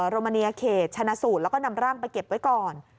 โรมาเนียเขตชนะสูตรแล้วก็นำร่างไปเก็บไว้ก่อน